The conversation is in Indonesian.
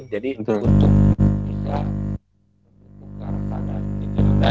jadi untuk bisa berpengaruh sangat